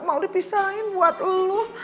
emang udah pisahin buat eluh